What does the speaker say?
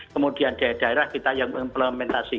kemudian daerah daerah kita yang implementasi